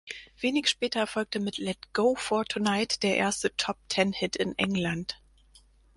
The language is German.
Wenig später folgte mit "Let Go for Tonight" der erste Top-Ten-Hit in England.